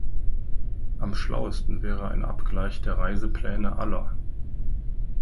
Am schlauesten wäre ein Abgleich der Reisepläne aller.